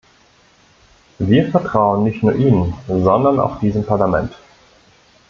Wir vertrauen nicht nur Ihnen, sondern auch diesem Parlament.